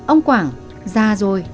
ông quảng già rồi